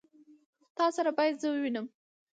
تا سره بايد زه ووينم.